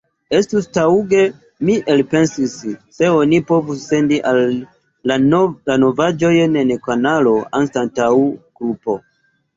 Estus taŭge, mi elpensis, se oni povus sendi la novaĵojn en kanalo anstataŭ grupo.